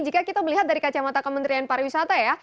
jika kita melihat dari kacamata kementerian pariwisata ya